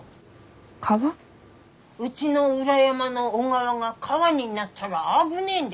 うちの裏山の小川が川になったら危ねえんです。